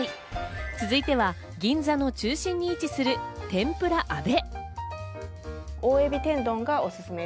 続いては銀座の中心に位置する「天ぷら阿部」。